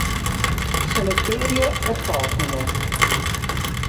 Selektearje it folgjende.